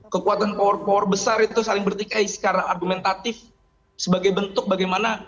kekuatan power power besar itu saling bertikai secara argumentatif sebagai bentuk bagaimana